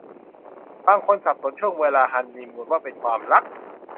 บางคนสับสนช่วงเวลาฮันนีมูนว่าเป็นความรัก